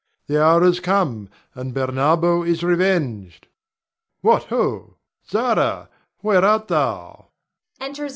The hour has come, and Bernardo is revenged. What, ho! Zara, where art thou? [Enter Zara.